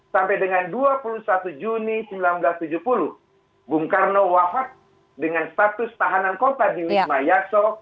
sampai dengan dua puluh satu juni seribu sembilan ratus tujuh puluh bung karno wafat dengan status tahanan kota di wisma yaso